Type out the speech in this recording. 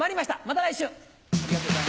また来週！